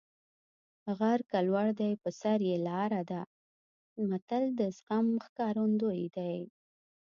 غر که لوړ دی په سر یې لاره ده متل د زغم ښکارندوی دی